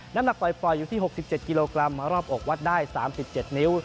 น้ำหนักปล่อยอยู่ที่๖๗กิโลกรัมมารอบอกวัดได้๓๗นิ้ว